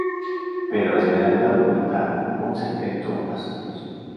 Pero, Esmeralda oculta un secreto a su esposo.